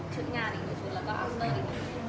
ชุดงานอีก๑ชุดแล้วก็อัพเตอร์อีก๑ชุด